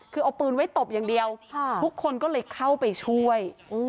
คือเอาปืนไว้ตบอย่างเดียวทุกคนก็เลยเข้าไปช่วย